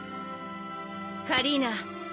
カリーナ。